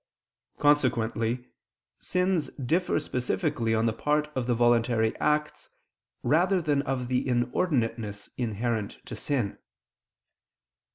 Consequently sins differ specifically on the part of the voluntary acts rather than of the inordinateness inherent to sin.